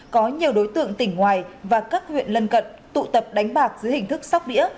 có nhiều đối tượng tỉnh ngoài và các huyện lân cận tụ tập đánh bạc dưới hình thức sóc đĩa